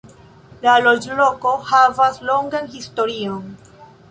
La loĝloko havas longan historion.